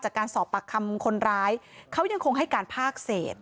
จากการสอบปากคำคนร้ายเขายังคงให้การภาคเศษ